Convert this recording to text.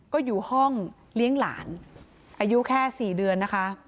ก็อยู่ห้องเลี้ยงหลานอายุแค่๔เดือนนะคะ